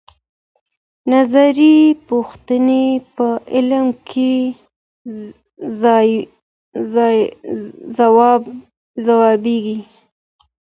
نظري پوښتنې په عمل کې ځوابيږي.